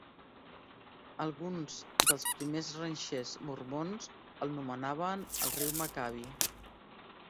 Alguns dels primers ranxers mormons el nomenaven el Riu Macaby.